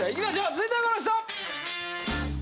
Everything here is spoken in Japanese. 続いてはこの人！